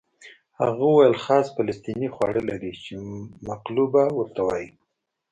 هغه وویل خاص فلسطیني خواړه لري چې مقلوبه ورته وایي.